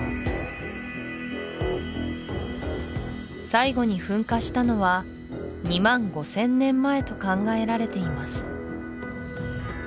最後に噴火したのは２万５０００年前と考えられています